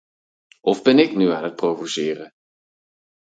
Of ben ík nu aan het provoceren?